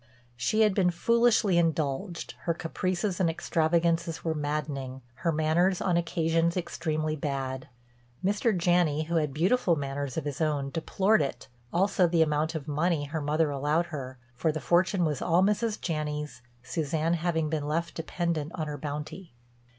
She had been foolishly indulged, her caprices and extravagances were maddening, her manners on occasions extremely bad. Mr. Janney, who had beautiful manners of his own, deplored it, also the amount of money her mother allowed her; for the fortune was all Mrs. Janney's, Suzanne having been left dependent on her bounty.